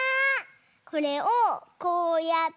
これをこうやって。